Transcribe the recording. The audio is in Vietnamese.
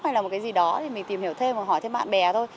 hay là một cái gì đó thì mình tìm hiểu thêm và hỏi thêm bạn bè thôi